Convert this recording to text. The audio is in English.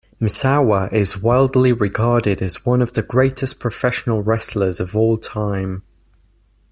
Misawa is widely regarded as one of the greatest professional wrestlers of all time.